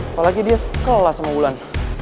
apalagi dia kelas sama wulan